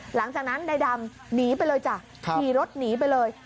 หลังจากนั้นนายดำหนีไปเลยจ้ะขี่รถหนีไปเลย